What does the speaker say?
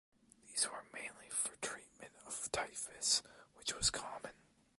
These were mainly for treatment of typhus which was common.